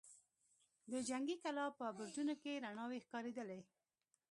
د جنګي کلا په برجونو کې رڼاوې ښکارېدلې.